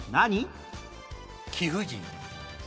貴婦人。